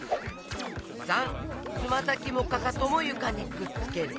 ③つまさきもかかともゆかにくっつける。